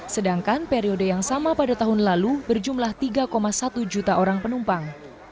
sedangkan periode yang sama pada tahun lalu berjumlah tiga satu juta orang penumpang